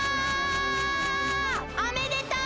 おめでとう！